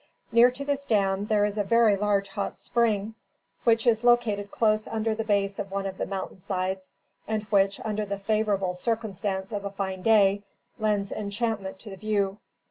Near to this dam, there is a very large hot spring, which is located close under the base of one of the mountain sides, and which, under the favorable circumstance of a fine day, lends enchantment to the view.